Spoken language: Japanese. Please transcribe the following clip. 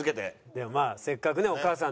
でもまあせっかくお母さんね